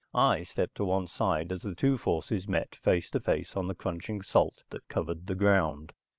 I stepped to one side as the two forces met face to face on the crunching salt that covered the ground.